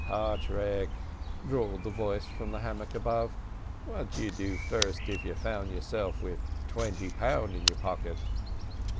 "Pawthrick," drawled the voice from the hammock above, "what'd you do first if you found y'self with twenty pound in your pocket?"